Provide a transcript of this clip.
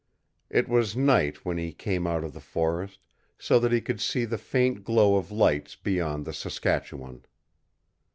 It was night when he came out of the forest, so that he could see the faint glow of lights beyond the Saskatchewan.